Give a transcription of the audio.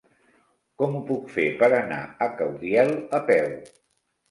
Com ho puc fer per anar a Caudiel a peu?